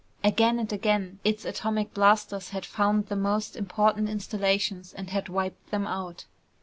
Again and again, its atomic blasters had found the most important installations and had wiped them out.